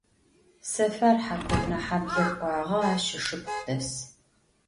Sefar Hakurınehable k'uağe, aş ışşıpxhu des.